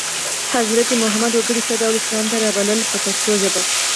حضرت محمد وګړي څه ډول اسلام ته رابلل په پښتو ژبه.